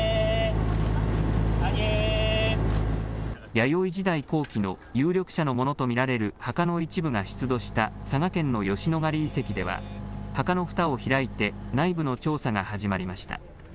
弥生時代後期の有力者のものと見られる墓の一部が出土した佐賀県の吉野ヶ里遺跡では墓のふたを開いて内部の調査が始まりました。